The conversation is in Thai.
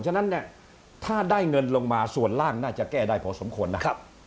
ฉะนั้นเนี่ยถ้าได้เงินลงมาส่วนล่างน่าจะแก้ได้พอสมควรนะครับ